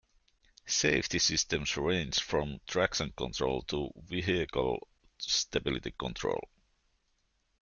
Safety systems ranged from traction control to vehicle stability control.